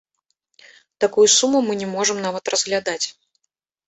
Такую суму мы не можам нават разглядаць.